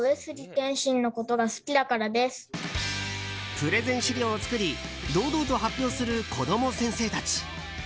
プレゼン資料を作り堂々と発表する子供先生たち。